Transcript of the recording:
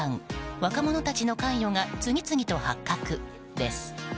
若者たちの関与が次々と発覚です。